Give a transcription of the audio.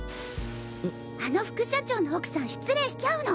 あの副社長の奥さん失礼しちゃうの！